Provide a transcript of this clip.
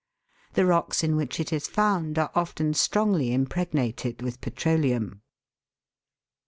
The rocks in which it is found are often strongly impregnated with petroleum.